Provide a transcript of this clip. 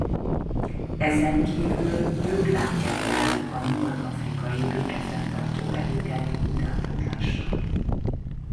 Ezenkívül ők látják el a Nyugat-Afrikai békefenntartó erőket utánpótlással.